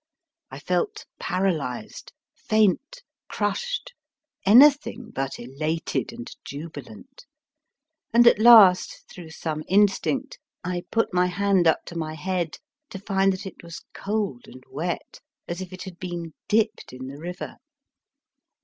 I felt paralysed, faint, crushed, anything but elated and jubilant. And, at last, through some instinct, I put my hand up to my head to find that it was cold and wet, as if it had been dipped in the river.